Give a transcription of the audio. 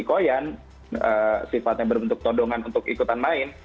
ikoy ikoyan sifatnya berbentuk todongan untuk ikutan main